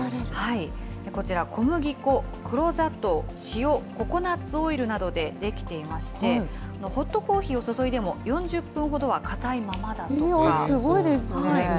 こちら小麦粉、黒砂糖、塩、ココナッツオイルなどで出来ていまして、ホットコーヒーを注いですごいですね。